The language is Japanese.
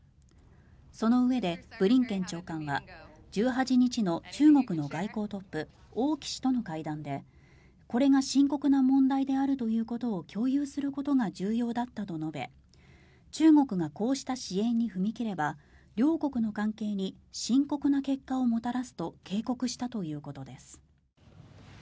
そのうえで、ブリンケン長官は１８日の中国の外交トップ王毅氏との会談でこれが深刻な問題であるという認識を共有することが重要だったと述べ中国がこうした支援に踏み切れば両国の関係に深刻な結果をもたらすと警告したということです。